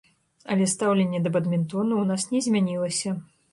Але стаўленне да бадмінтону ў нас не змянілася.